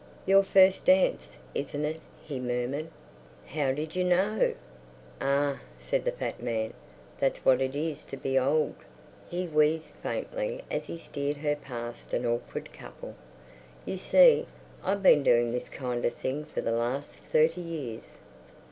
"Your first dance, isn't it?" he murmured. "How did you know?" "Ah," said the fat man, "that's what it is to be old!" He wheezed faintly as he steered her past an awkward couple. "You see, I've been doing this kind of thing for the last thirty years."